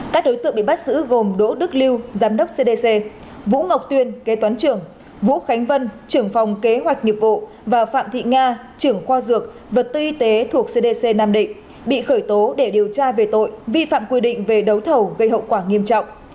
các đối tượng bị bắt giữ gồm đỗ đức lưu giám đốc cdc vũ ngọc tuyên kế toán trưởng vũ khánh vân trưởng phòng kế hoạch nghiệp vụ và phạm thị nga trưởng khoa dược vật tư y tế thuộc cdc nam định bị khởi tố để điều tra về tội vi phạm quy định về đấu thầu gây hậu quả nghiêm trọng